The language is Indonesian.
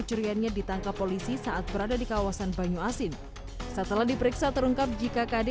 curiannya ditangkap polisi saat berada di kawasan banyu asin setelah diperiksa terungkap jika kd